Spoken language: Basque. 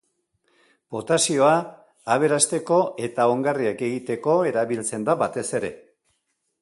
Potasioa aberasteko eta ongarriak egiteko erabiltzen da batez ere.